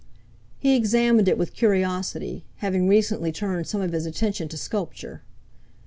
He examined it with curiosity, having recently turned some of his attention to sculpture.